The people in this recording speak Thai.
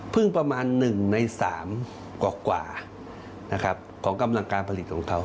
ประมาณ๑ใน๓กว่าของกำลังการผลิตของเขา